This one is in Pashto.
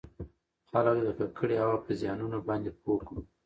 خلــک د ککـړې هـوا پـه زيـانونو بانـدې پـوه کـړو٫